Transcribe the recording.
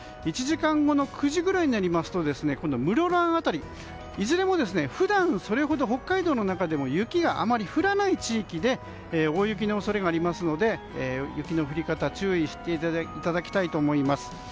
１時間後の９時くらいになりますと室蘭辺りいずれも普段それほど北海道の中でも雪があまり降らない地域で大雪の恐れがありますので雪の降り方に注意していただきたいと思います。